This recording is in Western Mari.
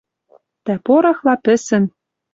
Тӓ порохла пӹсӹн